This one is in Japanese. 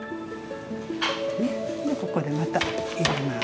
もうここでまたいれます。